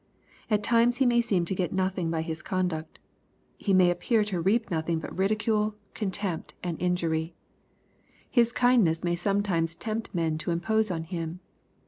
At times he may seem to get nothing by his conduct He may appear to reap nothing but ridic ale, contempt| i 186 EXPOSITORY THOUGHTS. and injury. His kindness may sometimes tempt men to impose on him.